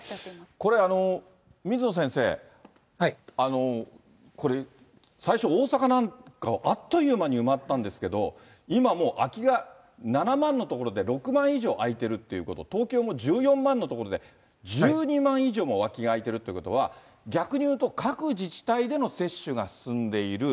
これ、水野先生、最初、大阪なんかはあっという間に埋まったんですけれども、今もう空きが７万のところで６万以上空いてるということ、東京も１４万のところで１２万以上も空きが開いてるということは、逆にいうと各自治体での接種が進んでいる。